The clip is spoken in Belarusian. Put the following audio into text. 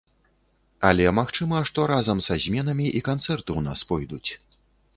Але, магчыма, што разам са зменамі і канцэрты ў нас пойдуць.